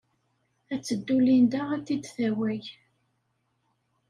Ad teddu Linda ad t-id-tawey.